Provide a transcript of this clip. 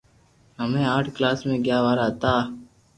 ھمي آٺ ڪلاس مي گيا وارا ھتا